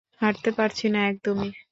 হাঁটতে পারছি না একদমই।